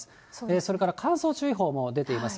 それから乾燥注意報も出ています。